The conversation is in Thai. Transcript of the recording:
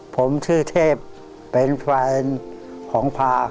ผมชื่อเทพเป็นแฟนของพา